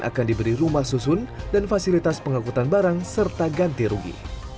akan diberi rumah susun dan fasilitas pengangkutan barang serta ganti rugi